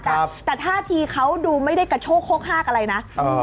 แต่ถ้าทีเขาดูไม่ได้กระโชคโฆฮากอะไรนะ